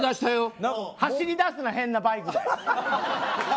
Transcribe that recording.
走り出すな、変なバイクで。